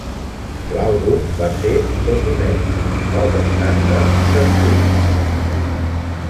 L'àlbum va ser tot un èxit, pels estàndards de Free.